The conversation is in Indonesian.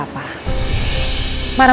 marah marah kok abis marah marah